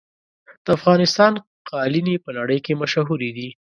د افغانستان قالینې په نړۍ کې مشهورې دي.